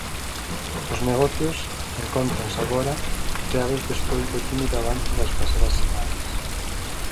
Os negocios encóntranse agora freados despois do tímido avance das pasadas semanas.